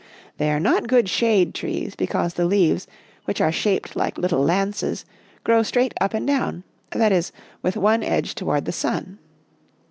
They are not good shade trees because the leaves, which are shaped like little lances, grow straight up and down, that is, with one edge toward the sun.